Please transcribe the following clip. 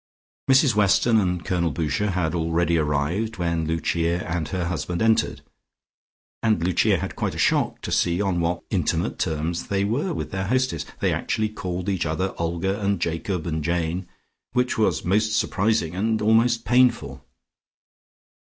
Mrs Weston and Colonel Boucher had already arrived when Lucia and her husband entered, and Lucia had quite a shock to see on what intimate terms they were with their hostess. They actually called each other Olga and Jacob and Jane, which was most surprising and almost painful.